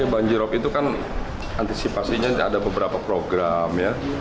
banjirop itu kan antisipasinya ada beberapa program ya